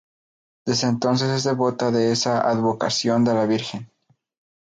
Desde entonces es devota de esa advocación de la Virgen.